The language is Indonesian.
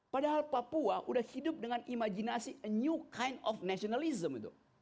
padahal papua udah hidup dengan imajinasi a new kind of nationalism itu